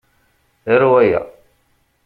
Aru aya.